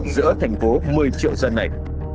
giữa thành phố một mươi triệu dân này